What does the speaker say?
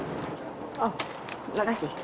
oh terima kasih